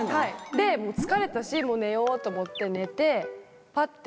でもう疲れたし寝ようと思って寝て。